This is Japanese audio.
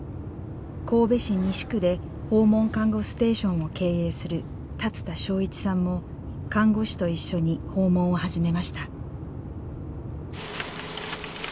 神戸市西区で訪問看護ステーションを経営する龍田章一さんも看護師と一緒に訪問を始めました。